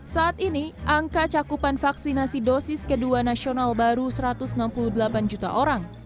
saat ini angka cakupan vaksinasi dosis kedua nasional baru satu ratus enam puluh delapan juta orang